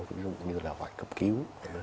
ví dụ như là gọi cấp cứu